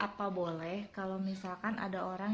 apa boleh kalau misalkan ada orang